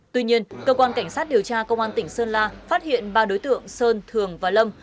tuy nhiên cơ quan cảnh sát điều tra công an tỉnh sơn la phát hiện ba đối tượng sơn thường và lâm